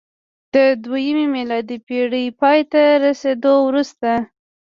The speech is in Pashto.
د دویمې میلادي پېړۍ پای ته رسېدو وروسته